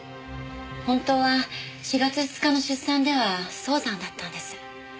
本当は４月２日の出産では早産だったんです。